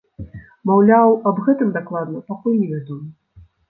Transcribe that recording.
Маўляў, аб гэтым дакладна пакуль невядома.